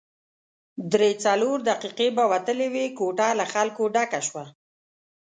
درې څلور دقیقې به وتلې وې، کوټه له خلکو ډکه شوه.